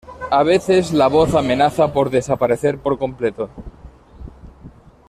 A veces la voz amenaza por desaparecer por completo.